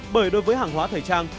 bởi đối với hàng hóa thời trang